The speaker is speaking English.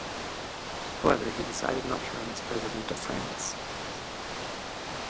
However, he decided not to run as President of France.